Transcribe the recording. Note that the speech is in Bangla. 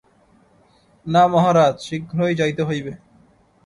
না মহারাজ, শীঘ্রই যাইতে হইবে।